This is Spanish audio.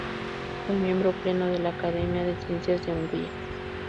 Fue miembro pleno de la Academia de Ciencias de Hungría.